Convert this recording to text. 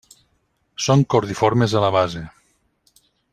Són cordiformes a la base.